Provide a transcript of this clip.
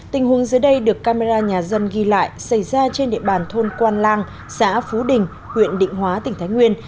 tình huống dưới đây được camera nhà dân ghi lại xảy ra trên địa bàn thôn quan lang xã phú đình huyện định hóa tỉnh thái nguyên